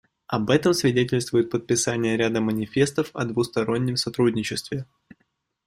Об этом свидетельствует подписание ряда манифестов о двустороннем сотрудничестве.